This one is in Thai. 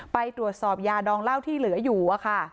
ไปตรวจสอบยาดองเหล้าที่เหลืออยู่อะค่ะ